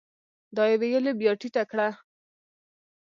دا يې ويلې بيا ټيټه کړه ؟